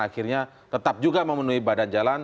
akhirnya tetap juga memenuhi badan jalan